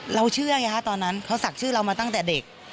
เชื่อไงฮะตอนนั้นเขาศักดิ์ชื่อเรามาตั้งแต่เด็ก